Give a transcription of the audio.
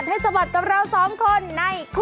สวัสดีครับสวัสดีครับสวัสดีครับสวัสดีครับ